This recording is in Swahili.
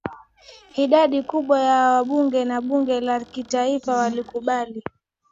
idadi kubwa ya wabunge wa bunge la kitaifa walikubali